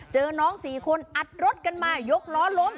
เจอน้องสี่คนอัดรถกันมายกล้อล้ม